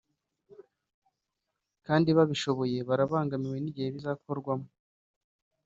kandi babishoboye barabangamiwe n’igihe bizakorwamo